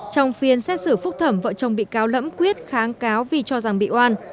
trong phiên xét xử phúc thẩm vợ chồng bị cáo lẫm quyết kháng cáo vì cho rằng bị oan